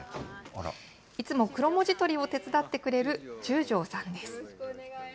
いつもクロモジとりを手伝ってくれる中條さんです。